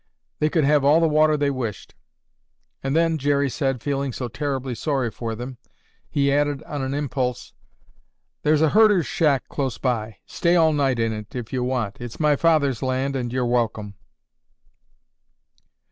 They could have all the water they wished. And then, Jerry said, feeling so terribly sorry for them, he added on an impulse, 'There's a herder's shack close by. Stay all night in it if you want. It's my father's land and you're welcome.